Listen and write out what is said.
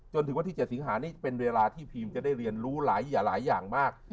จนถึงวันที่๗สิงหานี้เป็นเวลาที่พีมจะได้เรียนรู้หลายอย่างมาก